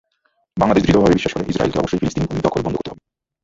বাংলাদেশ দৃঢ়ভাবে বিশ্বাস করে, ইসরায়েলকে অবশ্যই ফিলিস্তিনি ভূমি দখল বন্ধ করতে হবে।